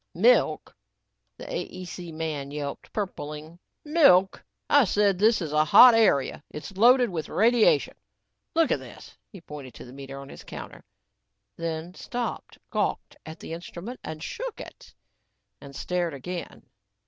"Milk," the AEC man yelped, purpling. "Milk! I said this is a hot area; it's loaded with radiation. Look at this " He pointed to the meter on his counter, then stopped, gawked at the instrument and shook it. And stared again.